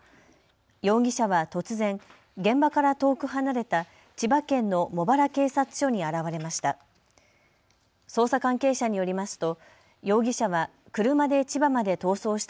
容疑者は突然、現場から遠く離れた千葉県の茂原警察署に現れました。